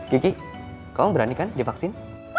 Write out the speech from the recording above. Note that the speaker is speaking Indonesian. kiki kau berani kan divaksin